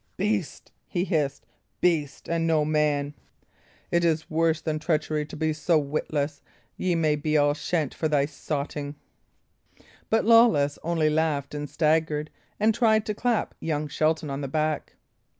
"Beast!" he hissed "beast and no man! It is worse than treachery to be so witless. We may all be shent for thy sotting." But Lawless only laughed and staggered, and tried to clap young Shelton on the back.